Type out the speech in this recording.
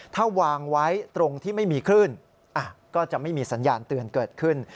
ถ้าวางไว้ตรงที่ไม่มีคลื่นก็จะไม่มีสัญญาณเตือนเกิดขึ้น